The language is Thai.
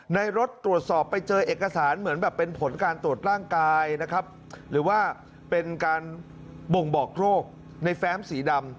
รถตรวจสอบไปเจอเอกสารเหมือนแบบเป็นผลการตรวจร่างกายนะครับหรือว่าเป็นการบ่งบอกโรคในแฟ้มสีดำ